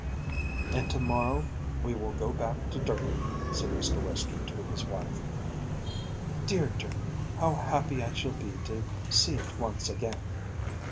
"And to morrow we will go back to Durton," said Mr. Western to his wife. "Dear Durton, how happy I shall be to see it once again!"